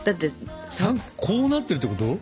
こうなってるってこと？